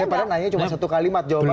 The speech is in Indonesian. saya pada nanya cuma satu kalimat jawabannya